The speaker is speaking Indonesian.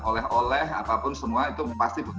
oleh oleh apapun semua itu pasti